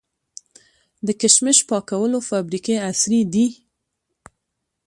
د کشمش پاکولو فابریکې عصري دي؟